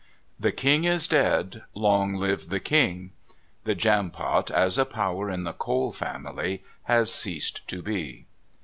"The King is dead long live the King!" The Jampot as a power in the Cole family has ceased to be.